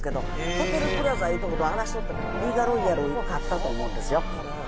ホテルプラザいうとこと争ってリーガロイヤルが勝ったと思うんですよ。